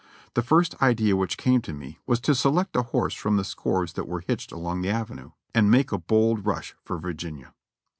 The first idea which came to me was to select a horse from the scores that were hitched along the Avenue, and make a bold rush for Virginia.